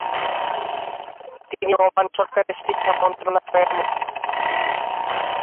তিনি ওমান সরকারের শিক্ষা মন্ত্রণালয়ের মন্ত্রী।